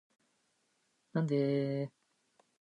なんでーーー